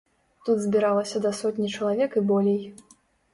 Тут збіралася да сотні чалавек і болей.